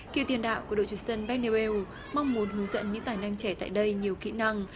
cựu tiền đạo của đội truyền sân bernabéu mong muốn hướng dẫn những tài năng trẻ tại đây nhiều kỹ năng